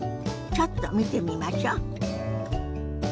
ちょっと見てみましょ。